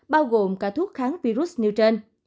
bao gồm cả thuốc kháng virus nêu trên